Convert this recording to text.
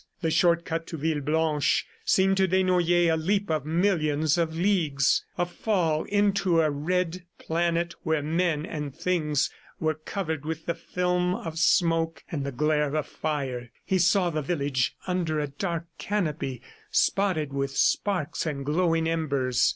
The short cut to Villeblanche seemed to Desnoyers a leap of millions of leagues, a fall into a red planet where men and things were covered with the film of smoke and the glare of fire. He saw the village under a dark canopy spotted with sparks and glowing embers.